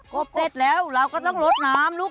บเสร็จแล้วเราก็ต้องลดน้ำลูก